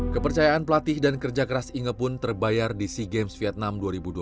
kepercayaan pelatih dan kerja keras inge pun terbayar di sea games vietnam dua ribu dua puluh